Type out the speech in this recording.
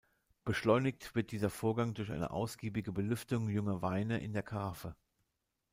Beschleunigt wird dieser Vorgang durch eine ausgiebige Belüftung junger Weine in der Karaffe.